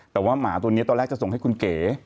แต่ว่าหมาตัวนี้ตอนแรกจะส่งให้คุณเก๋